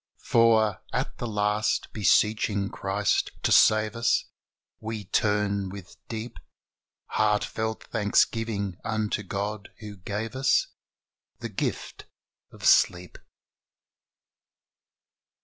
For, at the last, beseeching Christ to save us. We turn with deep Heart felt thanksgiving unto God, who gave us The Gift of Sleep.